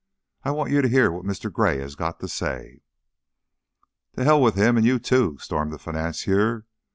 I want you to hear what Mr. Gray's got to say." "To hell with him, and you, too!" stormed the financier.